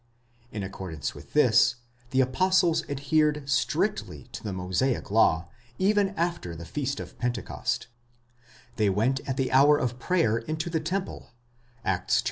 In accordance with this, the apostles. adhered strictly to the Mosaic law, even after the feast of Pentecost ; they went at the hour of prayer into the temple (Acts iii.